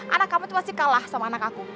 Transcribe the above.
anak kamu itu pasti kalah sama anak aku